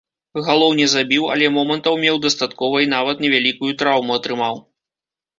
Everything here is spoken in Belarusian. Галоў не забіў, але момантаў меў дастаткова і нават невялікую траўму атрымаў.